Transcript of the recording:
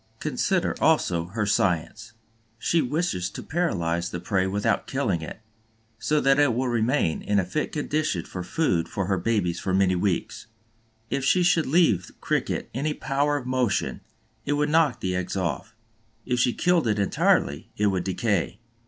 Consider, also, her science. She wishes to paralyze the prey without killing it, so that it will remain in a fit condition for food for her babies for many weeks. If she should leave the Cricket any power of motion, it would knock the eggs off; if she killed it entirely, it would decay.